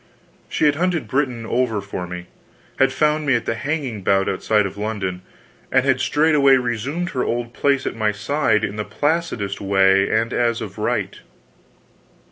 She had hunted Britain over for me; had found me at the hanging bout outside of London, and had straightway resumed her old place at my side in the placidest way and as of right.